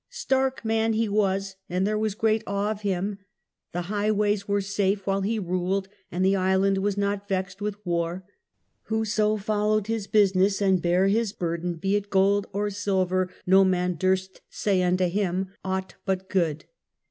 " Stark man he was, and there was great awe of him. The highways were safe while he ruled, and the island was not vexed with war. Whoso followed his business and bare his burden, be it gold or silver, no man durst say unto him aught but good."